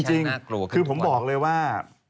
จริงคือผมบอกเลยว่า